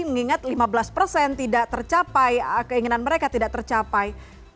mengingat lima belas persen tidak tercapai keinginan mereka tidak tercapai